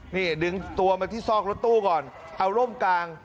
นี่ดึงตัวมาที่ซอกรถตู้ก่อนเอาร่มกลาง